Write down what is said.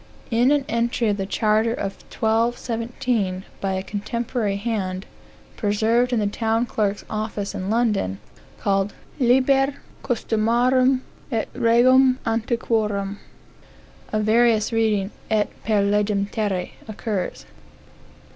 In an entry of the Charter of 1217 by a contemporary hand, preserved in the Town clerk's office in London, called Liber Custumarum et Regum antiquarum, a various reading, et per legem terrae, occurs.